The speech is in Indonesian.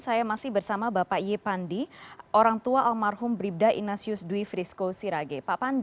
saya masih bersama bapak iye pandi orangtua almarhum bribda ignatius dwi frisko sirage